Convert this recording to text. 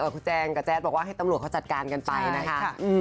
คุณแจงกับแจ๊ดบอกว่าให้ตำรวจเขาจัดการกันไปนะคะ